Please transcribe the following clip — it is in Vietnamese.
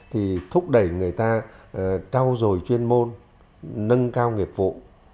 thì thúc đẩy người ta trao dồi chuyên môn nâng cao nghiệp vụ